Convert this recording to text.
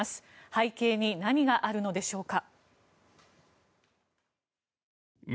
背景に何があるのでしょうか。